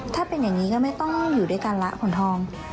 ถ้าเป็นอย่างนี้ก็ไม่ต้องอยู่ด้วยกันละขนทอง